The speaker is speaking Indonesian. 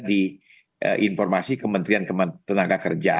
di informasi kementerian kementerian tenaga kerja